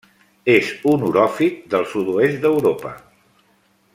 És un oròfit del sud-oest d'Europa.